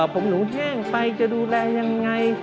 ผมหนูแห้งไปจะดูแลยังไง